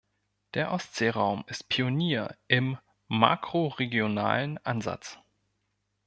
Der Ostseeraum ist Pionier im makroregionalen Ansatz.